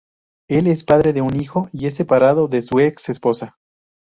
Él es padre de un hijo y es separado de su exesposa.